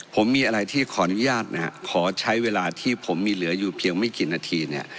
ผมมีอะไรที่ขออนุญาตนะฮะขอใช้เวลาที่ผมมีเหลืออยู่เพียงไม่กี่นาทีเนี่ย